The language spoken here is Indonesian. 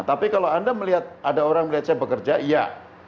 tapi kalau anda melihat ada orang melihat saya bekerja iya